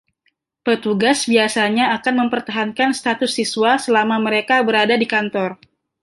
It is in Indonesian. Petugas biasanya akan mempertahankan status siswa selama mereka berada di kantor.